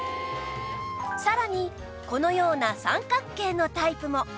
さらにこのような三角形のタイプも